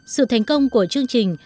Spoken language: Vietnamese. sự thành công của chương trình